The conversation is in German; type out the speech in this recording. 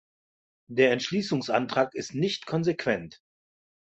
Der Entschließungsantrag ist nicht konsequent.